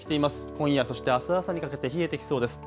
今夜、そしてあす朝にかけて冷えてきそうです。